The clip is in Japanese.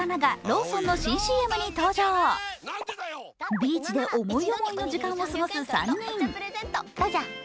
ビーチで思い思いの時間を過ごす３人。